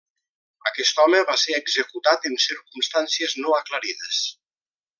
Aquest home va ser executat en circumstàncies no aclarides.